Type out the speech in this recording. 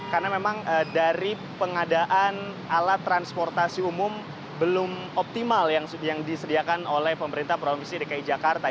karena memang dari pengadaan alat transportasi umum belum optimal yang disediakan oleh pemerintah provinsi dki jakarta